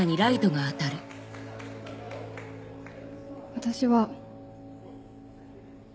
私は。